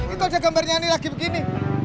itu aja gambarnya ini lagi begini